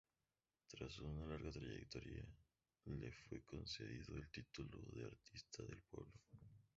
Tras su larga trayectoria le fue concedido el título de Artista del Pueblo.